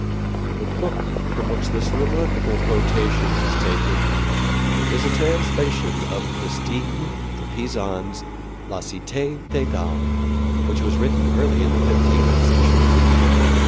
'" The book from which this remarkable quotation is taken is a translation of Christine de Pisan's La Cité des Dames, which was written early in the fifteenth century.